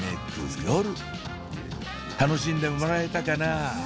夜楽しんでもらえたかな？